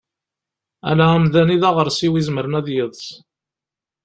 Ala amdan i daɣersiw izemren ad yeḍs.